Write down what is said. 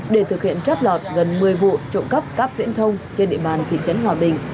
để thực hiện trót lọt gần một mươi vụ trộm cắp cáp viễn thông trên địa bàn thị trấn hòa bình